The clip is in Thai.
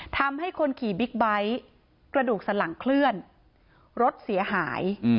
ทำให้คนขี่บิ๊กไบท์กระดูกสลังเคลื่อนรถเสียหาย